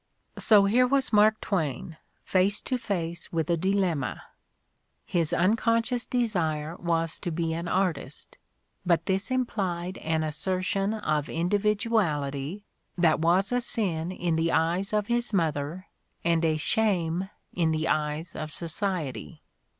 So here was Mark Twain face to face with a dilemma. His unconscious desire was to be an artist, but this implied an assertion of individuality that was a sin in the eyes of his mother and a shame in the eyes of society.